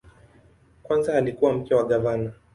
Kwanza alikuwa mke wa gavana.